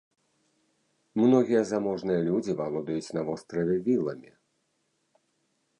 Многія заможныя людзі валодаюць на востраве віламі.